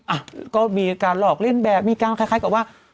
อ่ะก็มีการหลอกเล่นแบบมีการคล้ายกับว่า